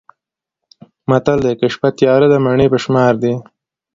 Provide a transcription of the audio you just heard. متل دی: که شپه تیاره ده مڼې په شمار دي.